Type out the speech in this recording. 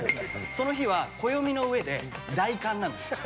その日は暦の上で大寒なんですよ。